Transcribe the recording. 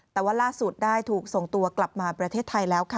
แต่ว่าล่าสุดได้ถูกส่งตัวกลับมาประเทศไทยแล้วค่ะ